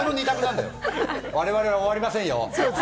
我々は終わりませんよ！